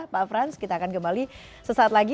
pak frans kita akan kembali sesaat lagi